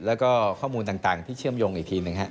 และข้อมูลต่างที่เชื่อมโยงอีกทีหนึ่งครับ